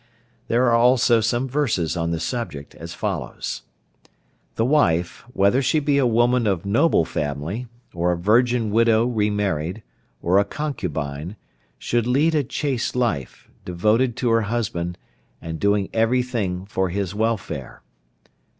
There are also some verses on the subject as follows. "The wife, whether she be a woman of noble family, or a virgin widow re married, or a concubine, should lead a chaste life, devoted to her husband, and doing every thing for his welfare.